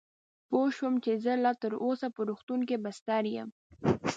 پوه شوم چې زه لا تراوسه په روغتون کې بستر یم.